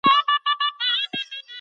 پښتو مو ژبه ده.